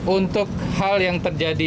untuk hal yang terjadi